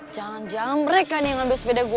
jangan jangan mereka nih yang ambil sepeda gue